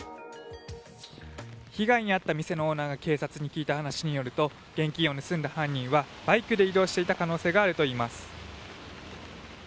被害に遭った店のオーナーが警察に聞いた話によると現金を盗んだ犯人はバイクで移動していた可能性があるということです。